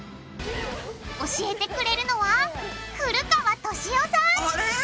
教えてくれるのは古川登志夫さん！